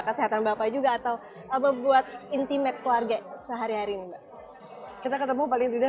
kesehatan bapak juga atau apa buat intimate keluarga sehari hari kita ketemu paling tidak